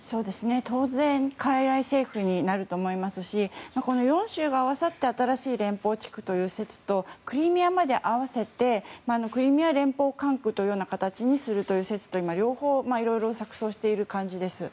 当然、傀儡政府になると思いますしこの４州が合わさって新しい連邦地区という説とクリミアまで合わせてクリミア連邦管区という形にする説と今、両方錯綜している感じです。